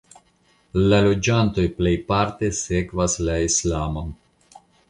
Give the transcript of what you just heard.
La loĝantoj plejparte sekvas la Islamon.